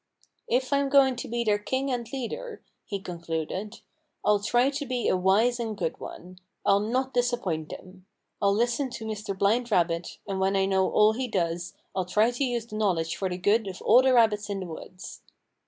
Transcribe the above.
"If I'm going to be their king and leader," he concluded, "I'll try to be a wise and good one. I'll not disappoint them. I'll listen to Mr. Blind Rabbit, and when I know all he does I'll try to use the knowledge for the good of all the rabbits in the woods."